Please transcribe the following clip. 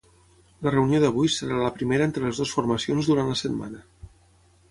La reunió d’avui serà la primera entre les dues formacions durant la setmana.